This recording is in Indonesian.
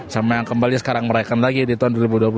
sama yang kembali sekarang merayakan lagi di tahun dua ribu dua puluh